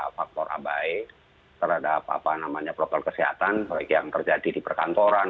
faktor abai terhadap protokol kesehatan baik yang terjadi di perkantoran